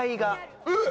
えっ！